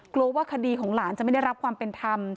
กลัวว่าคดีของหลานจะไม่ได้รับความเป็นธรรม